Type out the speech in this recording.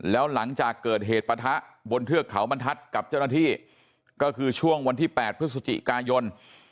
แล้วหลังจากเกิดเหตุปะทะบนเทือกเขาบรรทัศน์กับเจ้าหน้าที่ก็คือช่วงวันที่๘พฤศจิกายน